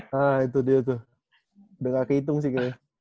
nah itu dia tuh udah gak kehitung sih kayaknya